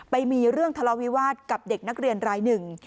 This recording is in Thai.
ไปมีเรื่องทะเลาวิวาสกับเด็กนักเรียนรายหนึ่ง